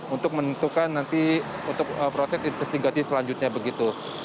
untuk menentukan nanti untuk proses investigasi selanjutnya begitu